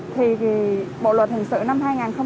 thì bộ luật hình sự năm hai nghìn một mươi năm